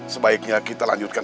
sebaiknya kita lanjutkan